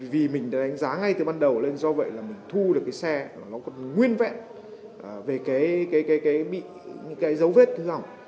vì mình đã đánh giá ngay từ ban đầu lên do vậy là mình thu được cái xe mà nó còn nguyên vẹn về cái dấu vết hư hỏng